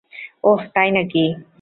ওহ, তাই নাকি!